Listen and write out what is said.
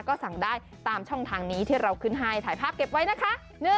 ก็สั่งได้ตามช่องทางนี้ที่เราขึ้นให้ถ่ายภาพเก็บไว้นะคะ